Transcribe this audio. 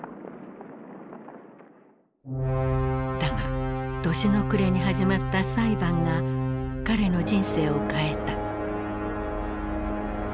だが年の暮れに始まった裁判が彼の人生を変えた。